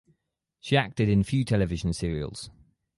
She acted in few television serials.